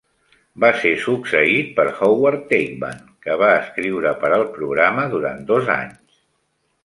Va ser succeït per Howard Teichmann, que va escriure per al programa durant dos anys.